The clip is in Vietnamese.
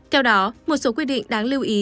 theo đó một số quy định đáng lưu ý